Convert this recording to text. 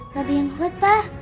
lebih ngikut pa